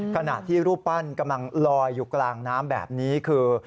ขณะที่รูปปั้นกำลังลอยอยู่กลางน้ำแบบนี้คือ